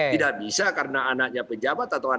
tidak bisa karena anaknya pejabat atau anak anak pejabat